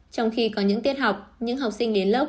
trong khi có những tiết học những học sinh đến lớp